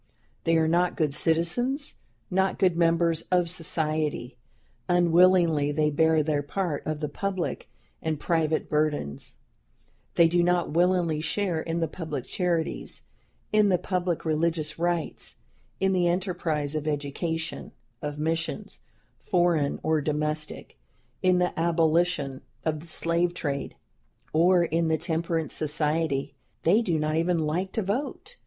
They are not good citizens, not good members of society; unwillingly they bear their part of the public and private burdens; they do not willingly share in the public charities, in the public religious rites, in the enterprise of education, of missions, foreign or domestic, in the abolition of the slave trade, or in the temperance society. They do not even like to vote.